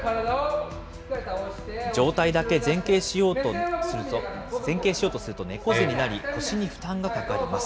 上体だけ前傾しようとすると、猫背になり、腰に負担がかかります。